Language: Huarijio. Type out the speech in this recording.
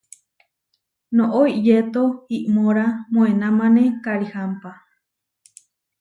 Noʼó iyéto iʼmora moenamané karihámpa.